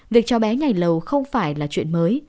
việc cho bé nhảy lầu không phải là chuyện mới